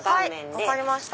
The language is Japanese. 分かりました。